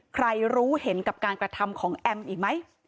รู้เห็นกับการกระทำของแอมอีกไหม